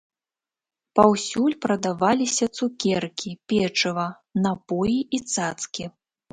Паўсюль прадаваліся цукеркі, печыва, напоі і цацкі.